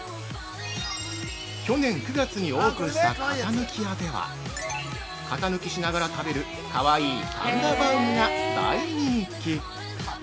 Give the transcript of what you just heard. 去年９月にオープンしたカタヌキヤでは型抜きしながら食べるかわいい「パンダバウム」が大人気。